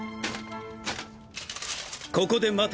ここで待て。